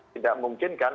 tidak mungkin kan